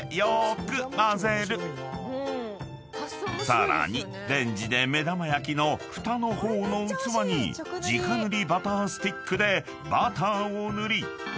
［さらにレンジで目玉焼きのフタの方の器に直ぬりバタースティックでバターを塗り］